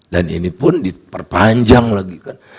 dan ini pun diperpanjang lagi kan